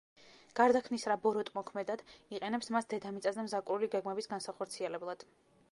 გარდაქმნის რა ბოროტმოქმედად, იყენებს მას დედამიწაზე მზაკვრული გეგმების განსახორციელებლად.